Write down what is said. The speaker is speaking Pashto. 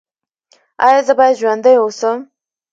ایا زه باید ژوندی اوسم؟